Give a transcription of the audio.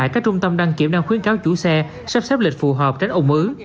các trung tâm đăng kiểm đang khuyến cáo chủ xe sắp xếp lịch phù hợp tránh ủng ứ